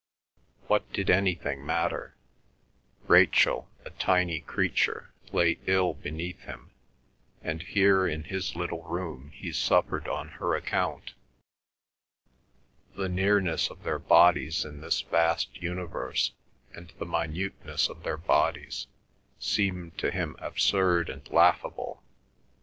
What did anything matter? Rachel, a tiny creature, lay ill beneath him, and here in his little room he suffered on her account. The nearness of their bodies in this vast universe, and the minuteness of their bodies, seemed to him absurd and laughable.